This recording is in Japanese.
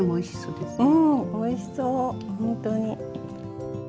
うんおいしそうほんとに。